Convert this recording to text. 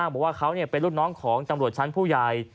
บอกว่าเขาเป็นลูกน้องของตำรวจชั้นผู้ใหญ่